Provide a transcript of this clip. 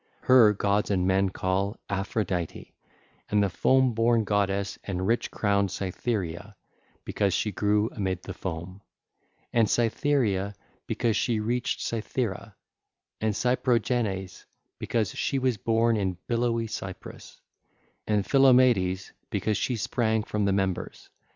Her gods and men call Aphrodite, and the foam born goddess and rich crowned Cytherea, because she grew amid the foam, and Cytherea because she reached Cythera, and Cyprogenes because she was born in billowy Cyprus, and Philommedes 1609 because sprang from the members.